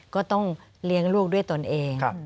ก็ต้องเลี้ยงลูกด้วยตนเอง